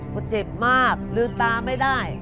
ก็เจ็บมากลืมตาไม่ได้